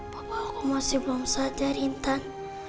bahwa aku masih belum sadar intan